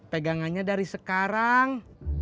pegangannya dari sekarang